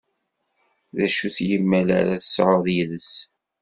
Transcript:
D acu n yimmal ara tesɛuḍ yid-s?